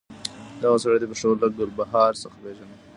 دغه سړی د پېښور له ګلبهار څخه پېژنم.